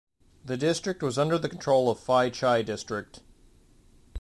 This district was under the control of Phi Chai District.